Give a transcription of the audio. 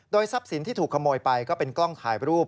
ทรัพย์สินที่ถูกขโมยไปก็เป็นกล้องถ่ายรูป